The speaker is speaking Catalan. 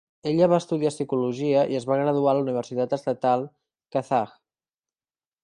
Ella va estudiar psicologia i es va graduar a la universitat estatal kazakh.